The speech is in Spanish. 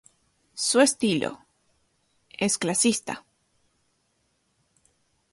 Su estilo es clasicista.